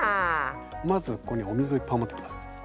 まずここにお水をいっぱい持ってきます。